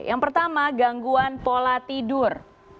yang pertama gangguan pola tidur